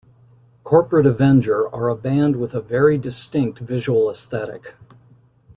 Corporate Avenger are a band with a very distinct visual aesthetic.